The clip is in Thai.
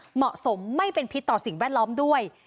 เหมาะสมไม่เป็นพิษต่อสิ่งแวดล้อมด้วย